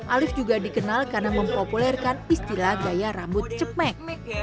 alif juga dikenal karena mempopulerkan istilah gaya rambut cemek